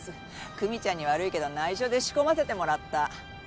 久実ちゃんに悪いけどないしょで仕込ませてもらった。